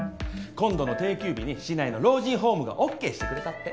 今度の定休日に市内の老人ホームがオッケーしてくれたって。